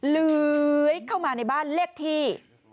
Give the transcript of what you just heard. เลยเข้ามาในบ้านเลขที่๔๑